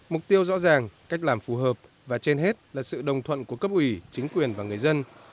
mục tiêu rõ ràng cách làm phù hợp và trên hết là sự đồng thuận của cấp ủy chính quyền và người dân